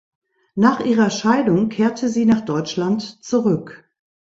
Nach ihrer Scheidung kehrte sie nach Deutschland zurück.